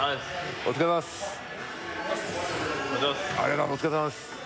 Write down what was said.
お疲れさまです。